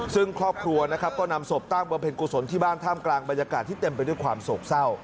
ซึ่งครอบครัวนะครับก็นำศพตั้งบำเพ็ญกุศลที่บ้านท่ามกลางบรรยากาศที่เต็มไปด้วยความโศกเศร้า